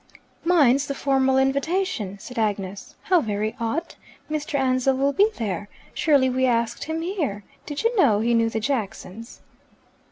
"Mine's the formal invitation," said Agnes. "How very odd! Mr. Ansell will be there. Surely we asked him here! Did you know he knew the Jacksons?"